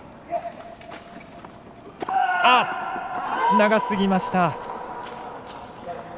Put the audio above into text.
長すぎました。